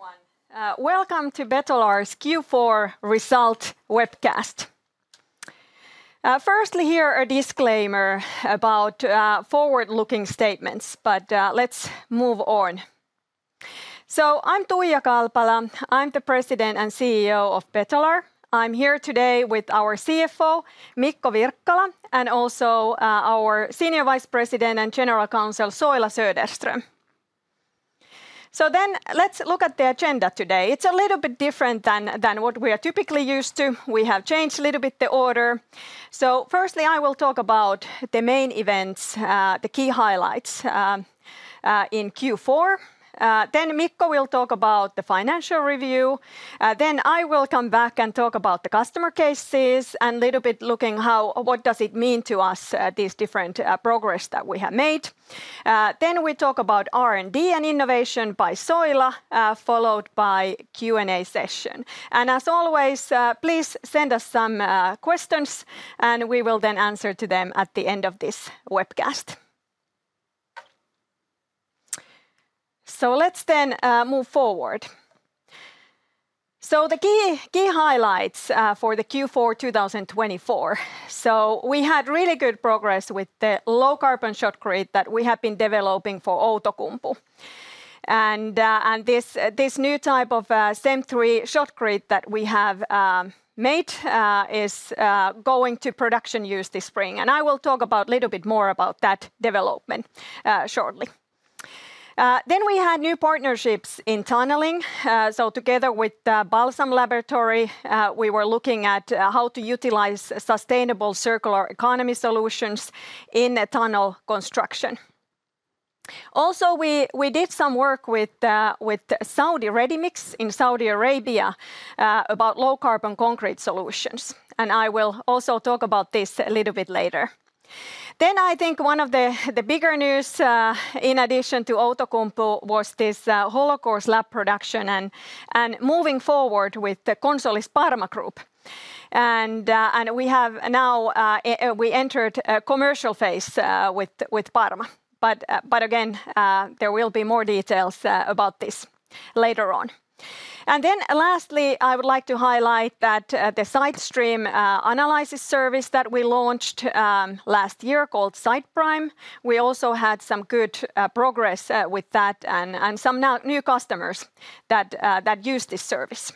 Hello, everyone. Welcome to Betolar's Q4 result webcast. Firstly, here is a disclaimer about forward-looking statements, but let's move on. I'm Tuija Kalpala, I'm the President and CEO of Betolar. I'm here today with our CFO, Mikko Wirkkala, and also our Senior Vice President and General Counsel, Soila Söderström. Let's look at the agenda today. It's a little bit different than what we are typically used to. We have changed a little bit the order. Firstly, I will talk about the main events, the key highlights in Q4. Mikko will talk about the financial review. I will come back and talk about the customer cases and a little bit looking at what does it mean to us, these different progress that we have made. We talk about R&D and innovation by Soila, followed by a Q&A session. As always, please send us some questions, and we will then answer to them at the end of this webcast. Let's then move forward. The key highlights for the Q4 2024. We had really good progress with the low-carbon shotcrete that we have been developing for Outokumpu. This new type of CEM III shotcrete that we have made is going to production use this spring. I will talk a little bit more about that development shortly. We had new partnerships in tunneling. Together with Balsam Laboratory, we were looking at how to utilize sustainable circular economy solutions in tunnel construction. Also, we did some work with Saudi Readymix in Saudi Arabia about low-carbon concrete solutions. I will also talk about this a little bit later. I think one of the bigger news, in addition to Outokumpu, was this hollow-core slab production and moving forward with the Consolis Parma Group. We have now entered a commercial phase with Parma. There will be more details about this later on. Lastly, I would like to highlight that the sidestream analysis service that we launched last year called SidePrime. We also had some good progress with that and some new customers that use this service.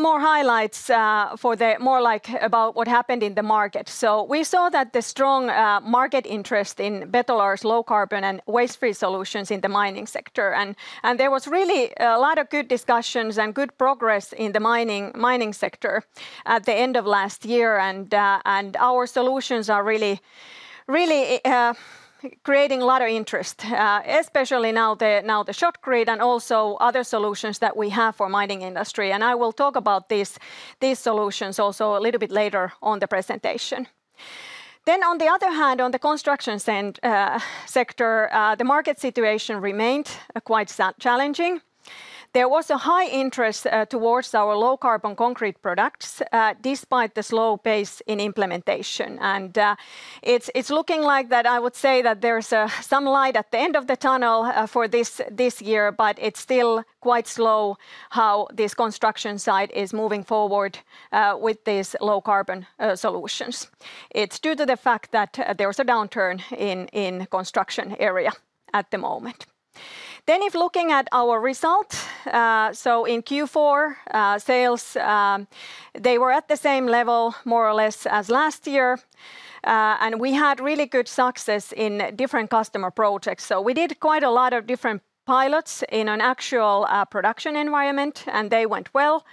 More highlights for what happened in the market. We saw strong market interest in Betolar's low-carbon and waste-free solutions in the mining sector. There was really a lot of good discussions and good progress in the mining sector at the end of last year. Our solutions are really creating a lot of interest, especially now the shotcrete and also other solutions that we have for mining industry. I will talk about these solutions also a little bit later on the presentation. On the other hand, on the construction sector, the market situation remained quite challenging. There was a high interest towards our low-carbon concrete products despite the slow pace in implementation. It is looking like that I would say that there is some light at the end of the tunnel for this year, but it is still quite slow how this construction site is moving forward with these low-carbon solutions. It is due to the fact that there is a downturn in the construction area at the moment. If looking at our results, in Q4 sales, they were at the same level more or less as last year. We had really good success in different customer projects. We did quite a lot of different pilots in an actual production environment, and they went well.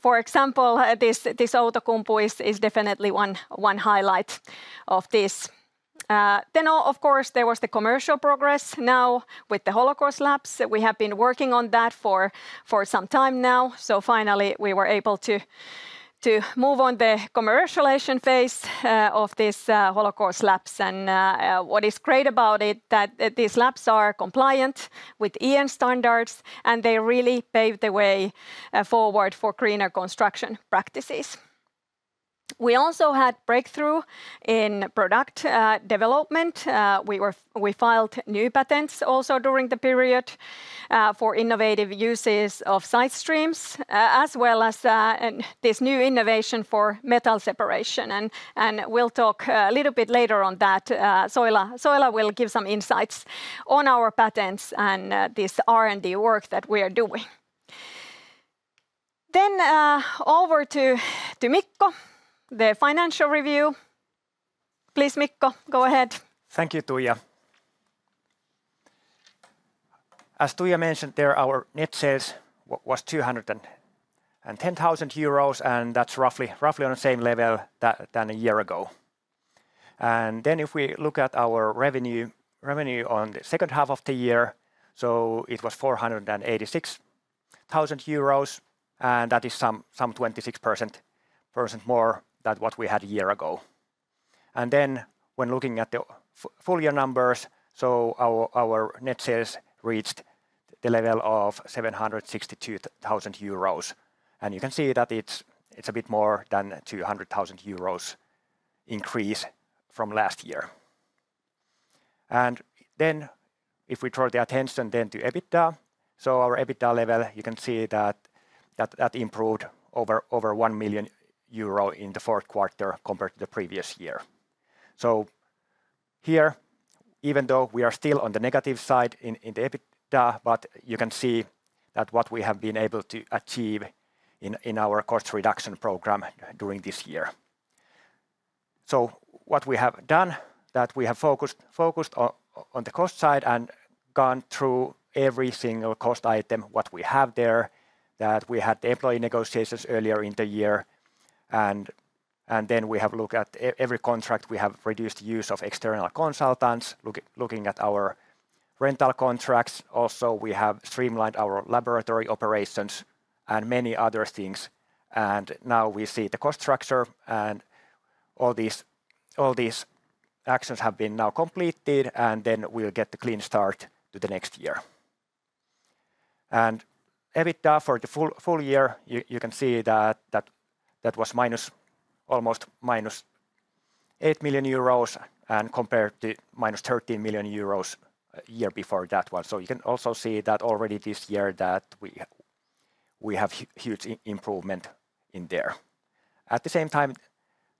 For example, this Outokumpu is definitely one highlight of this. There was the commercial progress now with the hollow-core slabs. We have been working on that for some time now. Finally, we were able to move on the commercialization phase of this hollow-core slabs. What is great about it is that these slabs are compliant with EN standards, and they really pave the way forward for greener construction practices. We also had breakthrough in product development. We filed new patents also during the period for innovative uses of sidestreams, as well as this new innovation for metal separation. We will talk a little bit later on that. Soila will give some insights on our patents and this R&D work that we are doing. Over to Mikko, the financial review. Please, Mikko, go ahead. Thank you, Tuija. As Tuija mentioned, our net sales was 210,000 euros, and that's roughly on the same level than a year ago. If we look at our revenue on the second half of the year, it was 486,000 euros, and that is some 26% more than what we had a year ago. When looking at the full year numbers, our net sales reached the level of 762,000 euros. You can see that it's a bit more than 200,000 euros increase from last year. If we draw the attention then to EBITDA, our EBITDA level, you can see that that improved over 1 million euro in the fourth quarter compared to the previous year. Here, even though we are still on the negative side in the EBITDA, you can see what we have been able to achieve in our cost reduction program during this year. What we have done is that we have focused on the cost side and gone through every single cost item that we have there, that we had the employee negotiations earlier in the year. We have looked at every contract, we have reduced the use of external consultants, looking at our rental contracts. Also, we have streamlined our laboratory operations and many other things. Now we see the cost structure and all these actions have been completed, and we will get the clean start to the next year. EBITDA for the full year, you can see that that was almost 8 million euros minus and compared to 13 million euros minus a year before that one. You can also see that already this year that we have huge improvement in there. At the same time,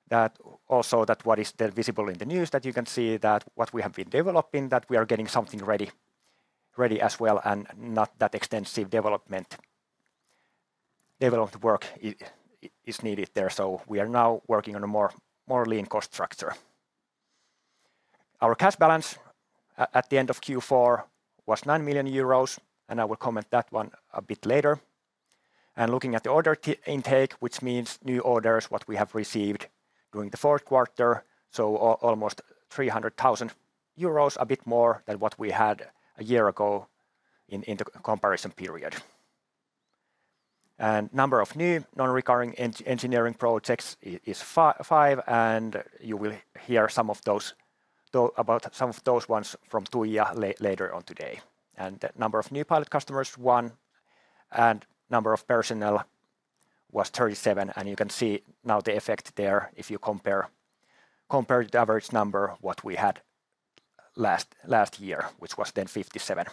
that also that what is still visible in the news, you can see that what we have been developing, that we are getting something ready as well and not that extensive development work is needed there. We are now working on a more lean cost structure. Our cash balance at the end of Q4 was 9 million euros, and I will comment that one a bit later. Looking at the order intake, which means new orders, what we have received during the fourth quarter, almost 300,000 euros, a bit more than what we had a year ago in the comparison period. The number of new non-recurring engineering projects is five, and you will hear about some of those from Tuija later on today. The number of new pilot customers, one, and the number of personnel was 37. You can see now the effect there if you compare the average number we had last year, which was 57.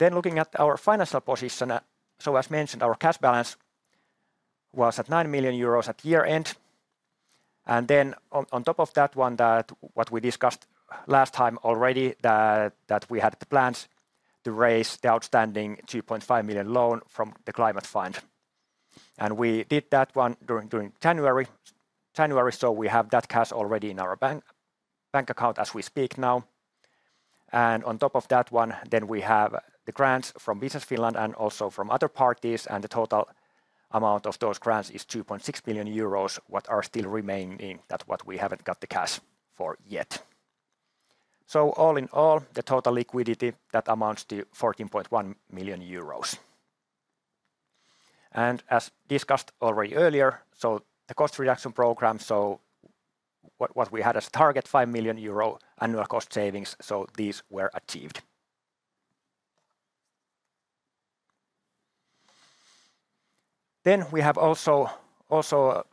Looking at our financial position, as mentioned, our cash balance was at 9 million euros at year end. On top of that, as we discussed last time already, we had the plans to raise the outstanding 2.5 million loan from the Climate Fund. We did that one during January. We have that cash already in our bank account as we speak now. On top of that one, we have the grants from Business Finland and also from other parties. The total amount of those grants is 2.6 million euros, which are still remaining that we have not got the cash for yet. All in all, the total liquidity amounts to 14.1 million euros. As discussed already earlier, the cost reduction program, what we had as target, 5 million euro annual cost savings, these were achieved. We have also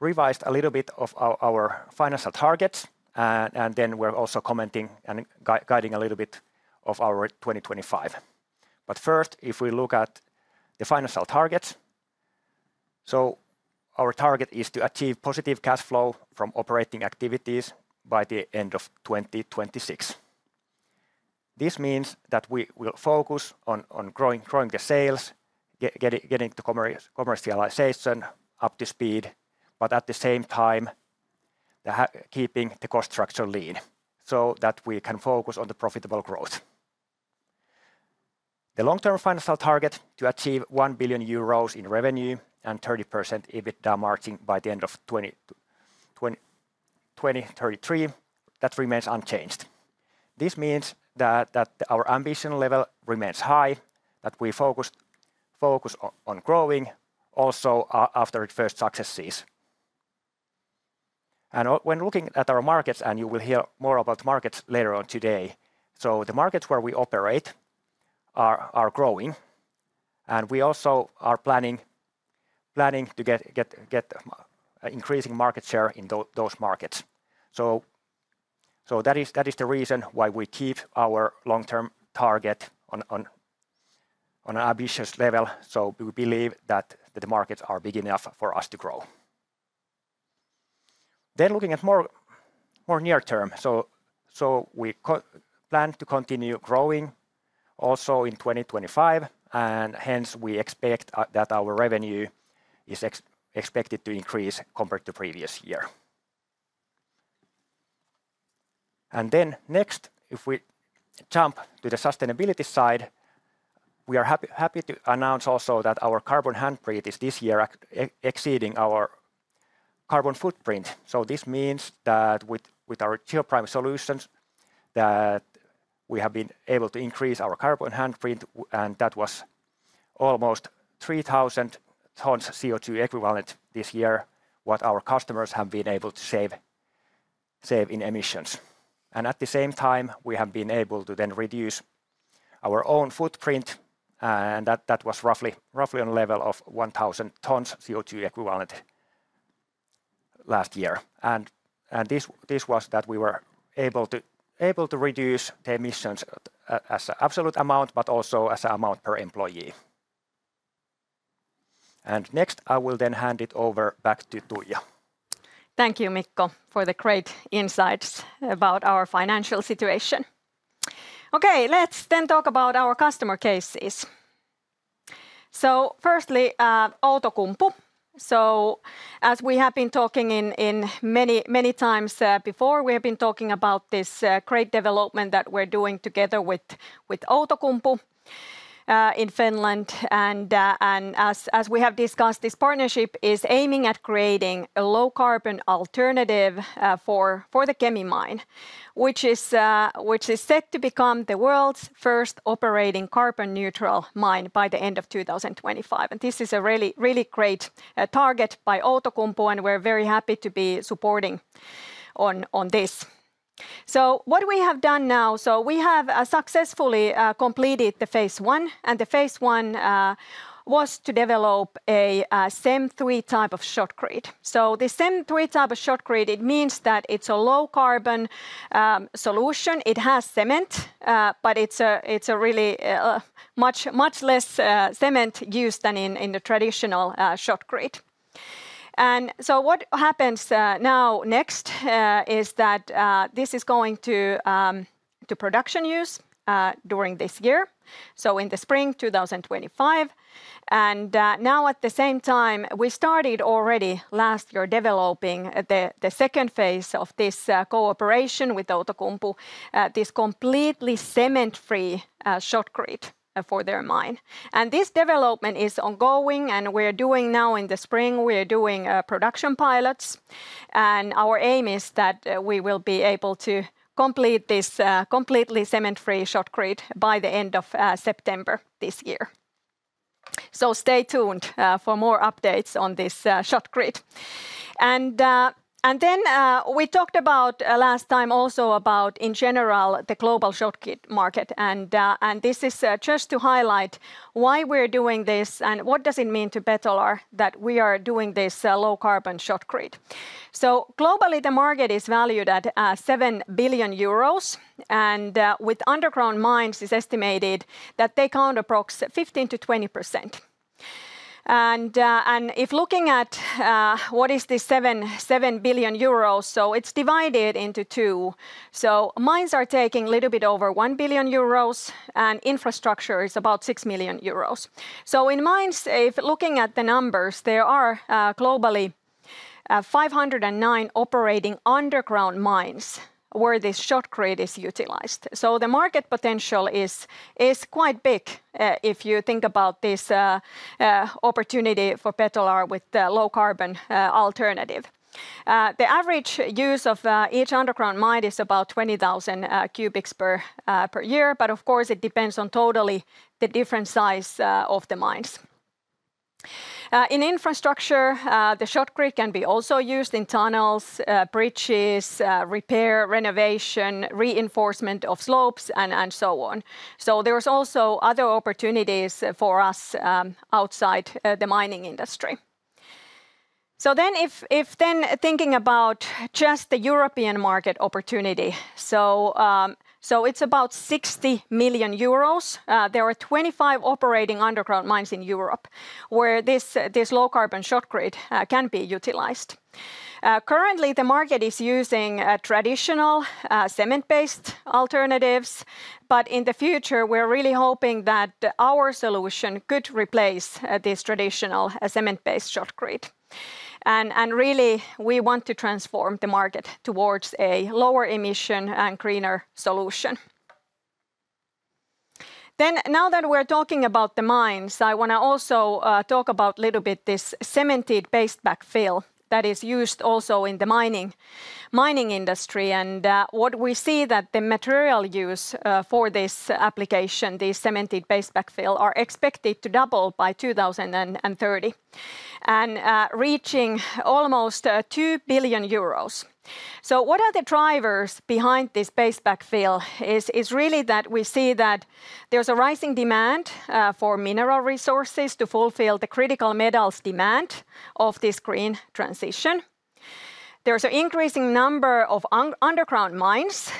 revised a little bit of our financial targets, and we are also commenting and guiding a little bit of our 2025. If we look at the financial targets, our target is to achieve positive cash flow from operating activities by the end of 2026. This means that we will focus on growing the sales, getting the commercialization up to speed, but at the same time, keeping the cost structure lean so that we can focus on the profitable growth. The long-term financial target to achieve 1 billion euros in revenue and 30% EBITDA margin by the end of 2033 remains unchanged. This means that our ambition level remains high, that we focus on growing also after first successes. When looking at our markets, and you will hear more about markets later on today, the markets where we operate are growing, and we also are planning to get increasing market share in those markets. That is the reason why we keep our long-term target on an ambitious level. We believe that the markets are big enough for us to grow. Looking at more near term, we plan to continue growing also in 2025, and hence we expect that our revenue is expected to increase compared to previous year. Next, if we jump to the sustainability side, we are happy to announce also that our carbon handprint is this year exceeding our carbon footprint. This means that with our Geoprime Solutions, we have been able to increase our carbon handprint, and that was almost 3,000 tons CO2 equivalent this year, what our customers have been able to save in emissions. At the same time, we have been able to then reduce our own footprint, and that was roughly on the level of 1,000 tons CO2 equivalent last year. This was that we were able to reduce the emissions as an absolute amount, but also as an amount per employee. Next, I will then hand it over back to Tuija. Thank you, Mikko, for the great insights about our financial situation. Okay, let's then talk about our customer cases. Firstly, Outokumpu. As we have been talking many times before, we have been talking about this great development that we're doing together with Outokumpu in Finland. As we have discussed, this partnership is aiming at creating a low-carbon alternative for the Kemi mine, which is set to become the world's first operating carbon-neutral mine by the end of 2025. This is a really great target by Outokumpu, and we're very happy to be supporting on this. What we have done now, we have successfully completed phase one, and phase one was to develop a CEM III type of shotcrete. The CEM III type of shotcrete means that it's a low-carbon solution. It has cement, but it's a really much less cement use than in the traditional shotcrete. What happens now next is that this is going to production use during this year, in the spring 2025. At the same time, we started already last year developing the second phase of this cooperation with Outokumpu, this completely cement-free shotcrete for their mine. This development is ongoing, and we're doing now in the spring, we're doing production pilots. Our aim is that we will be able to complete this completely cement-free shotcrete by the end of September this year. Stay tuned for more updates on this shotcrete. We talked about last time also about in general the global shotcrete market. This is just to highlight why we're doing this and what it means to Betolar that we are doing this low-carbon shotcrete. Globally, the market is valued at 7 billion euros, and with underground mines, it's estimated that they count approximately 15%-20%. If looking at what is this 7 billion euros, it's divided into two. Mines are taking a little bit over 1 billion euros, and infrastructure is about 6 billion euros. In mines, if looking at the numbers, there are globally 509 operating underground mines where this shotcrete is utilized. The market potential is quite big if you think about this opportunity for Betolar with the low-carbon alternative. The average use of each underground mine is about 20,000 cubics per year, but of course, it depends on totally the different size of the mines. In infrastructure, the shotcrete can be also used in tunnels, bridges, repair, renovation, reinforcement of slopes, and so on. There are also other opportunities for us outside the mining industry. If thinking about just the European market opportunity, it's about 60 million euros. There are 25 operating underground mines in Europe where this low-carbon shotcrete can be utilized. Currently, the market is using traditional cement-based alternatives, but in the future, we're really hoping that our solution could replace this traditional cement-based shotcrete. We want to transform the market towards a lower emission and greener solution. Now that we're talking about the mines, I want to also talk about a little bit this cemented backfill that is used also in the mining industry. What we see is that the material use for this application, these cemented backfill, are expected to double by 2030 and reaching almost 2 billion euros. What are the drivers behind this backfill is really that we see that there's a rising demand for mineral resources to fulfill the critical metals demand of this green transition. There's an increasing number of underground mines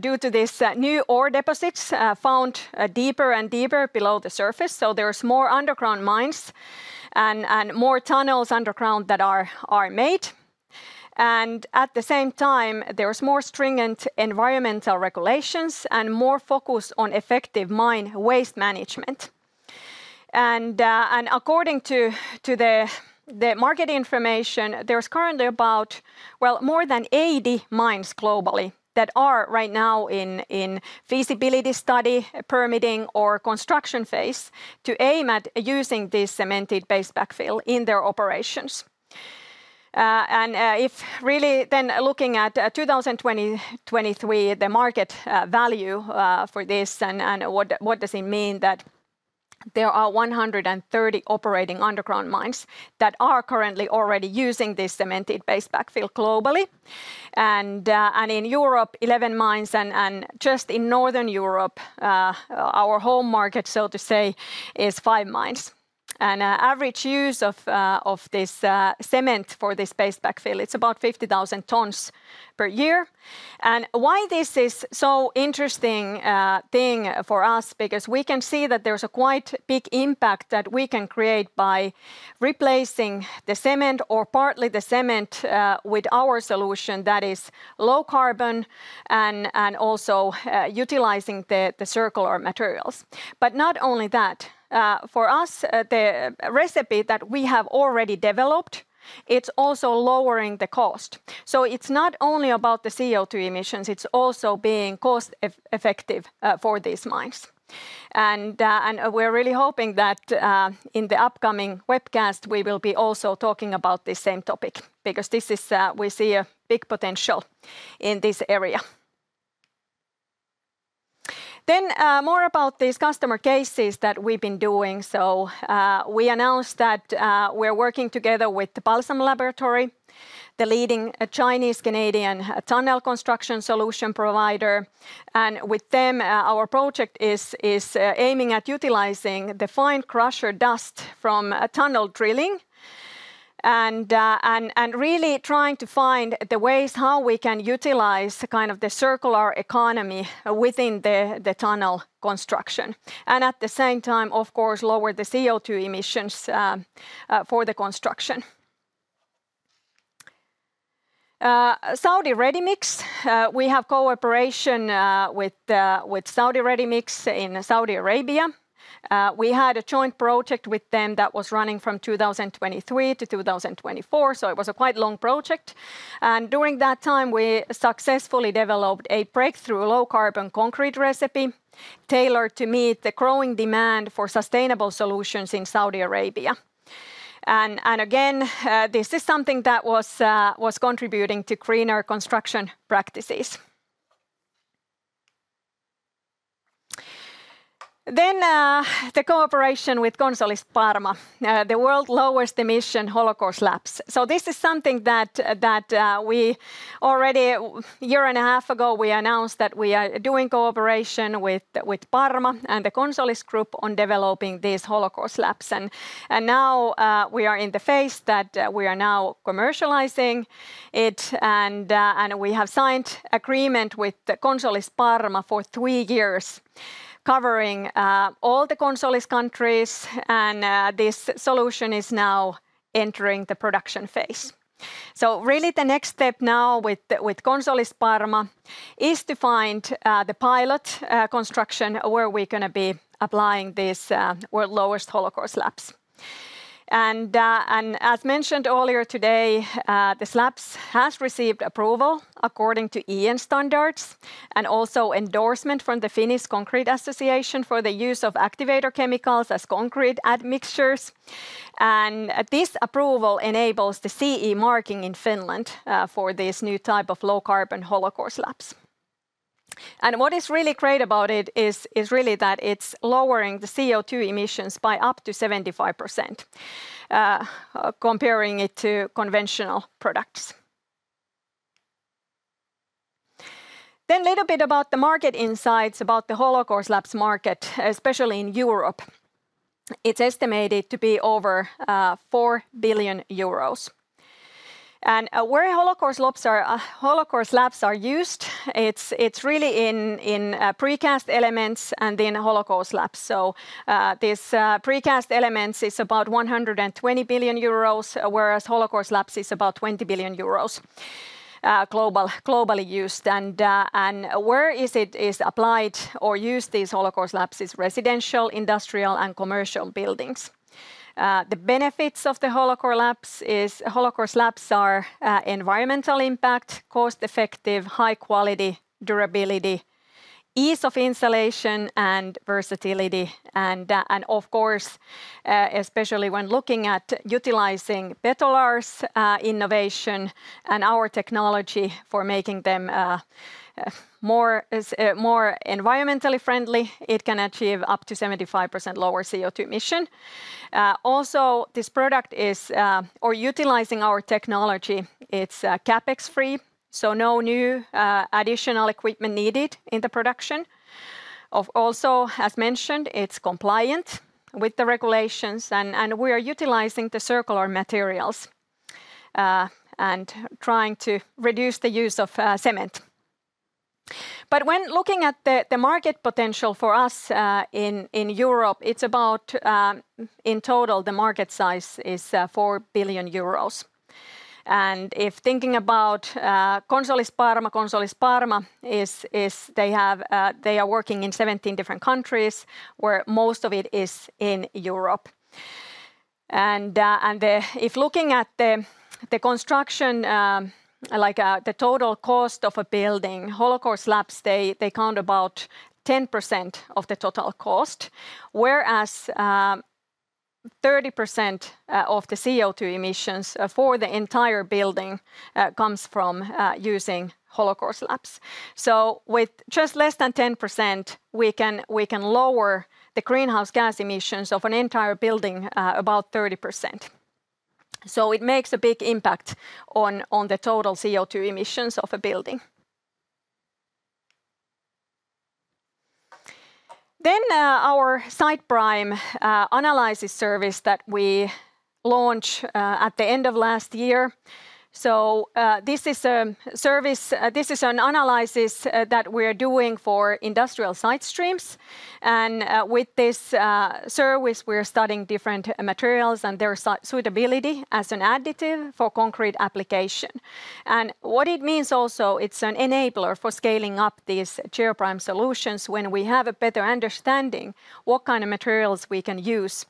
due to these new ore deposits found deeper and deeper below the surface. There's more underground mines and more tunnels underground that are made. At the same time, there's more stringent environmental regulations and more focus on effective mine waste management. According to the market information, there's currently about, well, more than 80 mines globally that are right now in feasibility study, permitting, or construction phase to aim at using this cemented backfill in their operations. If really then looking at 2023, the market value for this and what does it mean that there are 130 operating underground mines that are currently already using this cemented backfill globally. In Europe, 11 mines, and just in Northern Europe, our home market, so to say, is five mines. Average use of this cement for this backfill, it's about 50,000 tons per year. Why this is so interesting thing for us, because we can see that there's a quite big impact that we can create by replacing the cement or partly the cement with our solution that is low carbon and also utilizing the circular materials. Not only that, for us, the recipe that we have already developed, it's also lowering the cost. It's not only about the CO2 emissions, it's also being cost-effective for these mines. We are really hoping that in the upcoming webcast, we will be also talking about this same topic because we see a big potential in this area. More about these customer cases that we have been doing. We announced that we are working together with Balsam Laboratory, the leading Chinese-Canadian tunnel construction solution provider. With them, our project is aiming at utilizing the fine crusher dust from tunnel drilling and really trying to find the ways how we can utilize kind of the circular economy within the tunnel construction. At the same time, of course, lower the CO2 emissions for the construction. Saudi Readymix, we have cooperation with Saudi Readymix in Saudi Arabia. We had a joint project with them that was running from 2023 to 2024. It was a quite long project. During that time, we successfully developed a breakthrough low-carbon concrete recipe tailored to meet the growing demand for sustainable solutions in Saudi Arabia. This is something that was contributing to greener construction practices. The cooperation with Consolis Parma, the world's lowest emission hollow-core slabs, is something that we already a year and a half ago announced that we are doing cooperation with Parma and the Consolis Group on developing these hollow-core slabs. We are now in the phase that we are commercializing it, and we have signed an agreement with Consolis Parma for three years covering all the Consolis countries, and this solution is now entering the production phase. The next step now with Consolis Parma is to find the pilot construction where we're going to be applying these world's lowest hollow-core slabs. As mentioned earlier today, this lab has received approval according to EN standards and also endorsement from the Finnish Concrete Association for the use of activator chemicals as concrete admixtures. This approval enables the CE marking in Finland for this new type of low-carbon hollow-core slabs. What is really great about it is that it is lowering the CO2 emissions by up to 75%, comparing it to conventional products. A little bit about the market insights about the hollow-core slabs market, especially in Europe. It is estimated to be over 4 billion euros. Where hollow-core slabs are used, it is really in precast elements and in hollow-core slabs. This precast elements market is about 120 billion euros, whereas hollow-core slabs is about 20 billion euros globally used. Where is it applied or used? These hollow-core slabs are in residential, industrial, and commercial buildings. The benefits of the hollow-core slabs are environmental impact, cost-effective, high quality, durability, ease of installation, and versatility. Of course, especially when looking at utilizing Betolar's innovation and our technology for making them more environmentally friendly, it can achieve up to 75% lower CO2 emission. Also, this product is, or utilizing our technology, it's CapEx-free, so no new additional equipment needed in the production. Also, as mentioned, it's compliant with the regulations, and we are utilizing the circular materials and trying to reduce the use of cement. When looking at the market potential for us in Europe, in total, the market size is 4 billion euros. If thinking about Consolis Parma, Consolis Parma, they are working in 17 different countries where most of it is in Europe. If looking at the construction, like the total cost of a building, hollow-core slabs, they count about 10% of the total cost, whereas 30% of the CO2 emissions for the entire building comes from using hollow-core slabs. With just less than 10%, we can lower the greenhouse gas emissions of an entire building about 30%. It makes a big impact on the total CO2 emissions of a building. Our SidePrime analysis service that we launched at the end of last year, this is a service, this is an analysis that we're doing for industrial sidestreams. With this service, we're studying different materials and their suitability as an additive for concrete application. What it means also, it's an enabler for scaling up these Geoprime Solutions when we have a better understanding what kind of materials we can use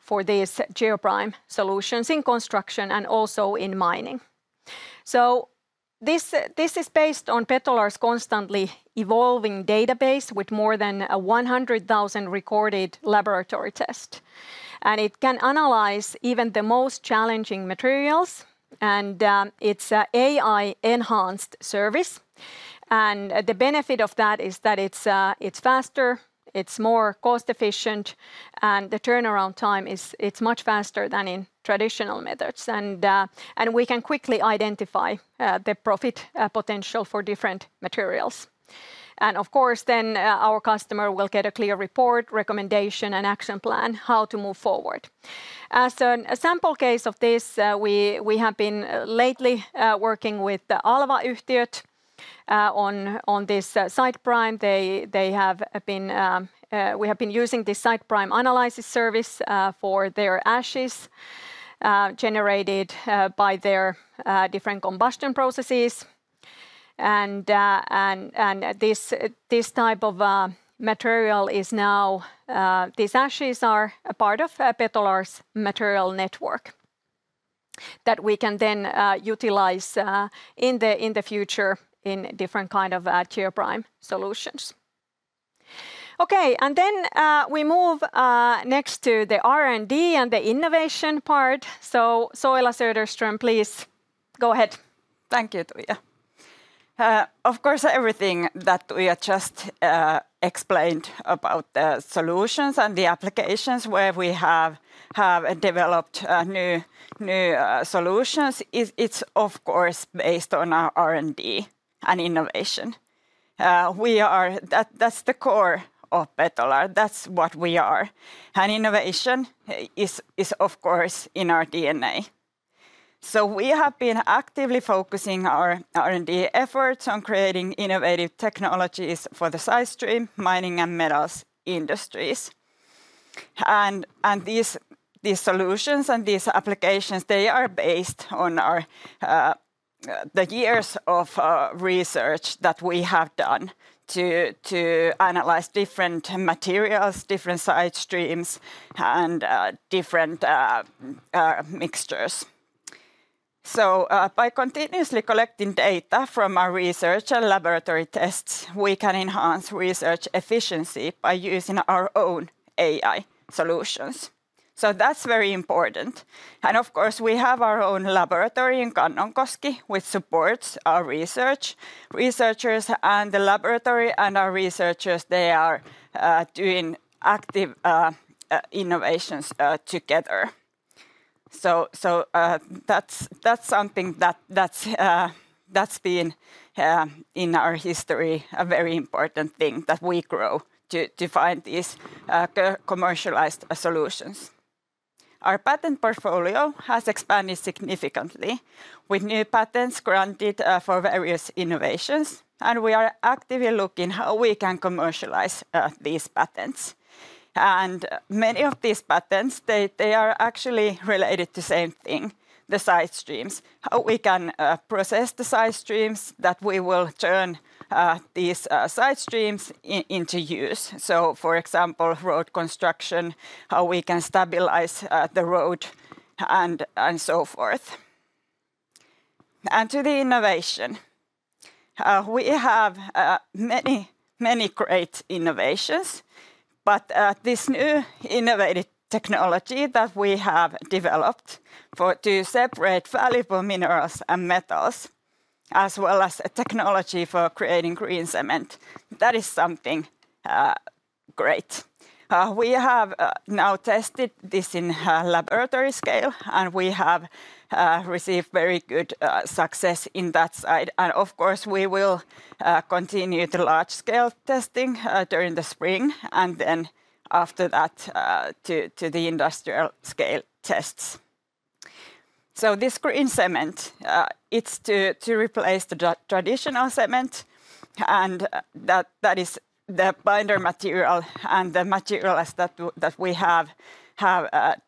for these Geoprime Solutions in construction and also in mining. This is based on Betolar's constantly evolving database with more than 100,000 recorded laboratory tests. It can analyze even the most challenging materials. It's an AI-enhanced service. The benefit of that is that it's faster, it's more cost-efficient, and the turnaround time is much faster than in traditional methods. We can quickly identify the profit potential for different materials. Of course, then our customer will get a clear report, recommendation, and action plan how to move forward. As a sample case of this, we have been lately working with Alva-yhtiöt on this SidePrime. We have been using the SidePrime analysis service for their ashes generated by their different combustion processes. This type of material is now, these ashes are part of Betolar's material network that we can then utilize in the future in different kinds of Geoprime Solutions. Okay, next we move to the R&D and the innovation part. Soila Söderström, please go ahead. Thank you, Tuija. Of course, everything that Tuija just explained about the solutions and the applications where we have developed new solutions is, of course, based on our R&D and innovation. That is the core of Betolar. That is what we are. Innovation is, of course, in our DNA. We have been actively focusing our R&D efforts on creating innovative technologies for the sidestream mining and metals industries. These solutions and these applications are based on the years of research that we have done to analyze different materials, different sidestreams, and different mixtures. By continuously collecting data from our research and laboratory tests, we can enhance research efficiency by using our own AI solutions. That is very important. Of course, we have our own laboratory in Kannonkoski, which supports our research. Researchers and the laboratory and our researchers are doing active innovations together. That is something that has been in our history, a very important thing that we grow to find these commercialized solutions. Our patent portfolio has expanded significantly with new patents granted for various innovations. We are actively looking at how we can commercialize these patents. Many of these patents are actually related to the same thing, the sidestreams. How we can process the sidestreams that we will turn these sidestreams into use. For example, road construction, how we can stabilize the road and so forth. To the innovation, we have many great innovations. This new innovative technology that we have developed to separate valuable minerals and metals, as well as technology for creating green cement, that is something great. We have now tested this in laboratory scale, and we have received very good success in that side. Of course, we will continue the large-scale testing during the spring, and after that to the industrial scale tests. This green cement, it's to replace the traditional cement, and that is the binder material and the materials that we have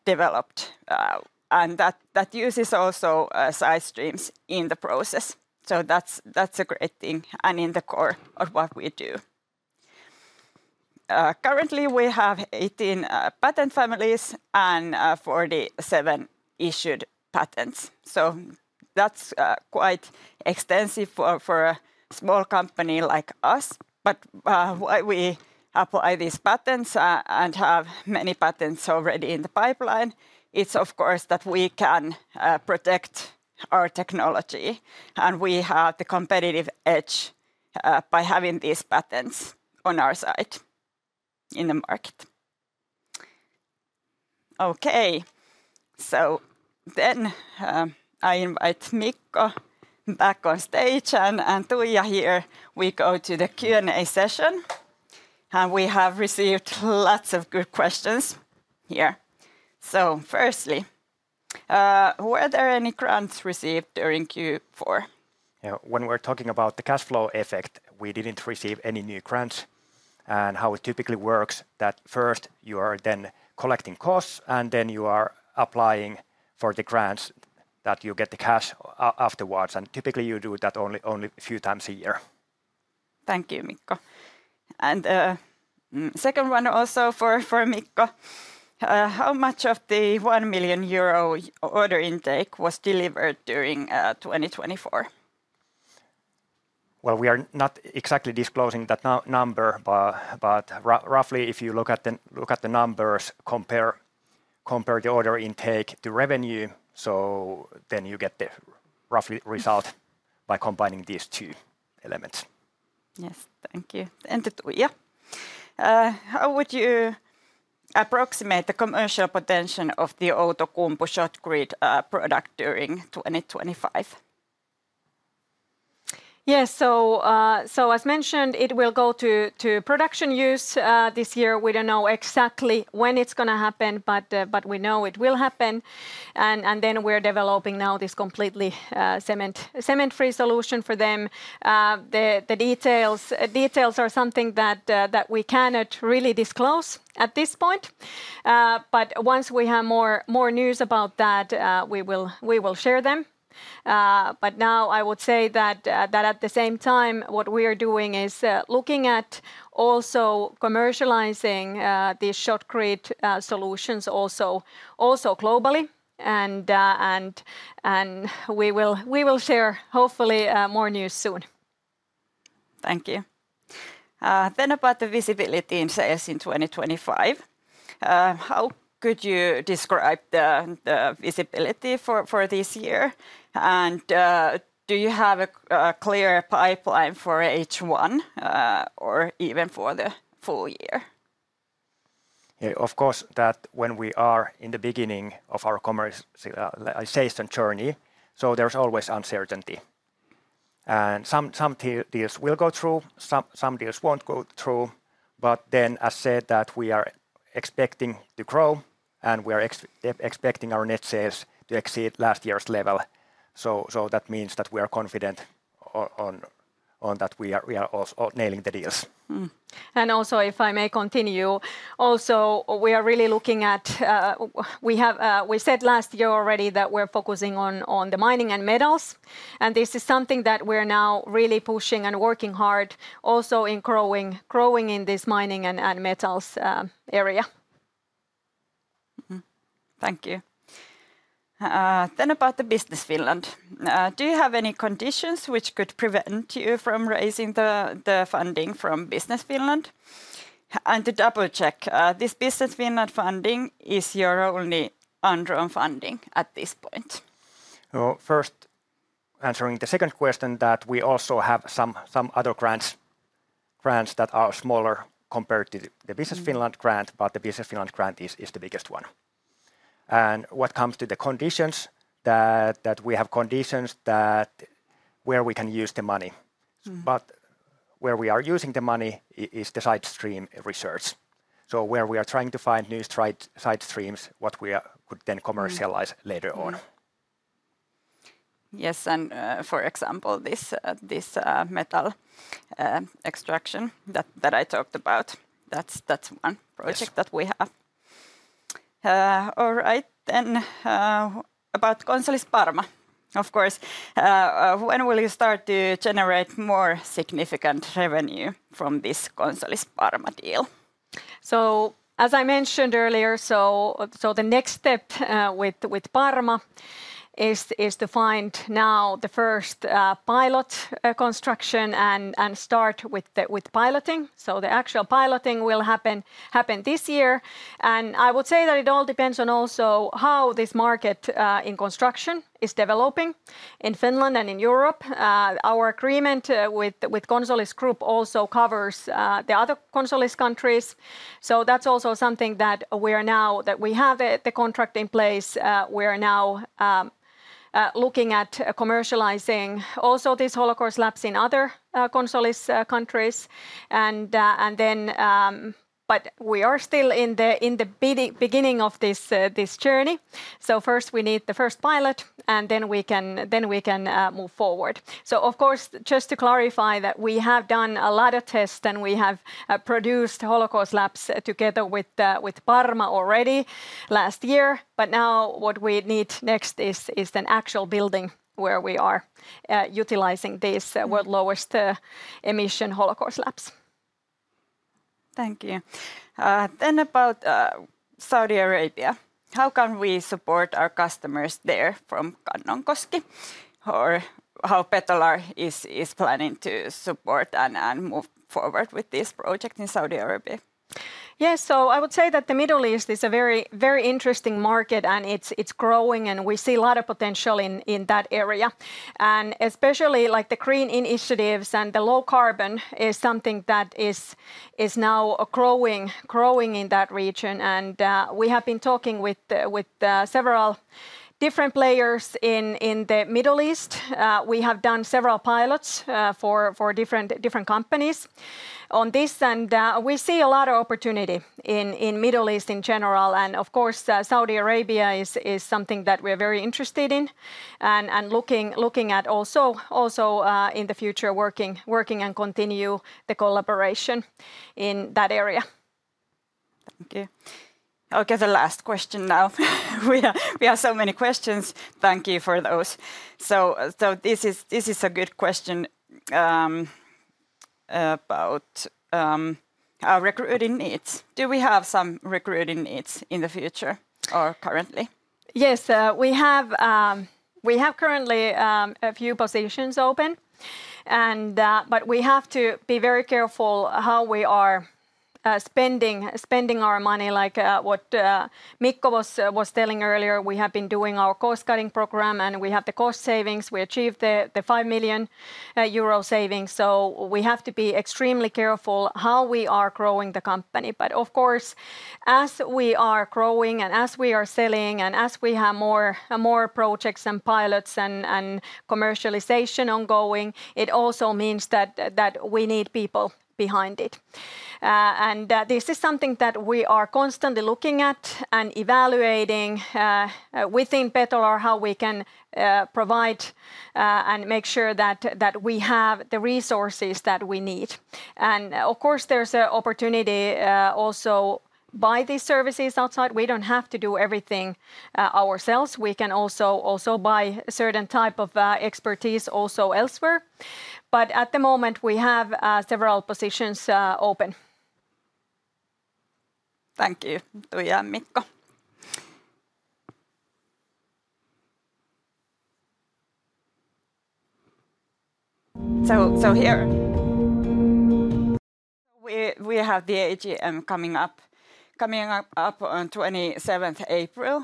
developed. That uses also sidestreams in the process. That's a great thing and in the core of what we do. Currently, we have 18 patent families and 47 issued patents. That is quite extensive for a small company like us. Why we apply these patents and have many patents already in the pipeline, it is of course that we can protect our technology and we have the competitive edge by having these patents on our side in the market. Okay, I invite Mikko back on stage and Tuija here. We go to the Q&A session, and we have received lots of good questions here. Firstly, were there any grants received during Q4? Yeah, when we are talking about the cash flow effect, we did not receive any new grants. How it typically works, first you are then collecting costs and then you are applying for the grants that you get the cash afterwards. Typically you do that only a few times a year. Thank you, Mikko. The second one also for Mikko, how much of the 1 million euro order intake was delivered during 2024? We are not exactly disclosing that number, but roughly if you look at the numbers, compare the order intake to revenue, you get the rough result by combining these two elements. Yes, thank you. Tuija, how would you approximate the commercial potential of the Outokumpu shotcrete product during 2025? As mentioned, it will go to production use this year. We do not know exactly when it is going to happen, but we know it will happen. We are developing now this completely cement-free solution for them. The details are something that we cannot really disclose at this point. Once we have more news about that, we will share them. I would say that at the same time, what we are doing is looking at also commercializing these shotcrete solutions also globally. We will share hopefully more news soon. Thank you. About the visibility in sales in 2025, how could you describe the visibility for this year? Do you have a clear pipeline for H1 or even for the full year? Of course, when we are in the beginning of our commercialization journey, there is always uncertainty. Some deals will go through, some deals will not go through. I said that we are expecting to grow and we are expecting our net sales to exceed last year's level. That means that we are confident that we are nailing the deals. If I may continue, also we are really looking at, we said last year already that we're focusing on the mining and metals. This is something that we're now really pushing and working hard also in growing in this mining and metals area. Thank you. About the Business Finland, do you have any conditions which could prevent you from raising the funding from Business Finland? To double-check, this Business Finland funding is your only underwriting funding at this point? First, answering the second question that we also have some other grants that are smaller compared to the Business Finland grant, but the Business Finland grant is the biggest one. What comes to the conditions, we have conditions where we can use the money. Where we are using the money is the sidestream research. Where we are trying to find new sidestreams, what we could then commercialize later on. Yes, and for example, this metal extraction that I talked about, that's one project that we have. All right, then about Consolis Parma, of course, when will you start to generate more significant revenue from this Consolis Parma deal? As I mentioned earlier, the next step with Parma is to find now the first pilot construction and start with piloting. The actual piloting will happen this year. I would say that it all depends on also how this market in construction is developing in Finland and in Europe. Our agreement with Consolis Group also covers the other Consolis countries. That is also something that we are now, that we have the contract in place, we are now looking at commercializing also these hollow-core slabs in other Consolis countries. We are still in the beginning of this journey. First we need the first pilot, and then we can move forward. Of course, just to clarify, we have done a lot of tests and we have produced hollow-core slabs together with Parma already last year. What we need next is an actual building where we are utilizing these world's lowest emission hollow-core slabs. Thank you. About Saudi Arabia, how can we support our customers there from Kannonkoski or how Betolar is planning to support and move forward with this project in Saudi Arabia? Yes, I would say that the Middle East is a very interesting market and it is growing and we see a lot of potential in that area. Especially the green initiatives and the low carbon is something that is now growing in that region. We have been talking with several different players in the Middle East. We have done several pilots for different companies on this. We see a lot of opportunity in the Middle East in general. Of course, Saudi Arabia is something that we are very interested in and looking at also in the future, working and continuing the collaboration in that area. Thank you. Okay, the last question now. We have so many questions. Thank you for those. This is a good question about our recruiting needs. Do we have some recruiting needs in the future or currently? Yes, we have currently a few positions open. We have to be very careful how we are spending our money. Like what Mikko was telling earlier, we have been doing our cost-cutting program and we have the cost savings. We achieved the 5 million euro savings. We have to be extremely careful how we are growing the company. Of course, as we are growing and as we are selling and as we have more projects and pilots and commercialization ongoing, it also means that we need people behind it. This is something that we are constantly looking at and evaluating within Betolar, how we can provide and make sure that we have the resources that we need. Of course, there is an opportunity also to buy these services outside. We do not have to do everything ourselves. We can also buy a certain type of expertise also elsewhere. At the moment, we have several positions open. Thank you, Tuija and Mikko. Here, we have the AGM coming up on 27th April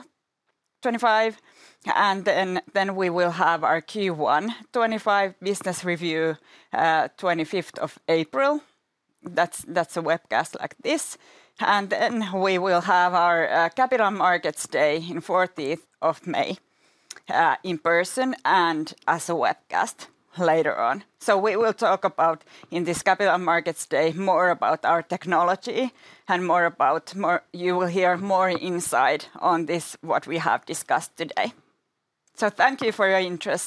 2025. We will have our Q1 2025 business review on 25th of April. That is a webcast like this. We will have our Capital Markets Day on the 14th of May in person and as a webcast later on. We will talk about in this Capital Markets Day more about our technology and more about you will hear more insight on this, what we have discussed today. Thank you for your interest.